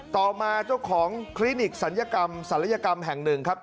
ต่อมาเจ้าของคลินิกศัลยกรรมศัลยกรรมแห่งหนึ่งครับ